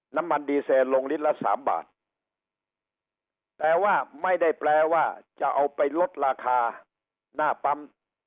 น้ำมันดีเซนลงลิตรละสามบาทแต่ว่าไม่ได้แปลว่าจะเอาไปลดราคาหน้าปั๊ม